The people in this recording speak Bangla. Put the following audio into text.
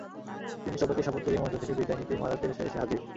তিনি সবাইকে শপথ করিয়ে মঞ্চ থেকে বিদায় নিতেই মাদার তেরেসা এসে হাজির।